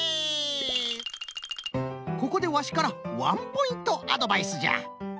ここでワシからワンポイントアドバイスじゃ。